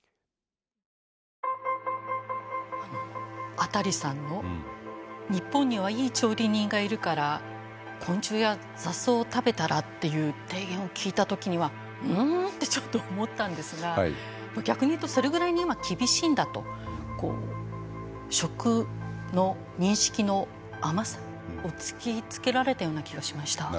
アタリさんの「日本にはいい調理人がいるから昆虫や雑草を食べたら」という提言を聞いた時にはんんってちょっと思ったんですが逆に言うとそれぐらいに今厳しいんだと食の認識の甘さを突きつけられたような気がしました。